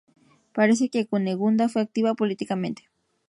Parece que Cunegunda fue activa políticamente.